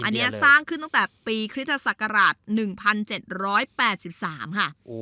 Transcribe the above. อันนี้สร้างขึ้นตั้งแต่ปีคริสตศักราช๑๗๘๓ค่ะ